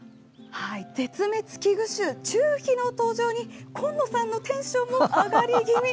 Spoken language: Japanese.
絶滅危惧種チュウヒの登場に紺野さんのテンションも上がり気味。